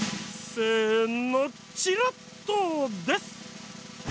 せのチラッとです！